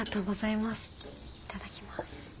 いただきます。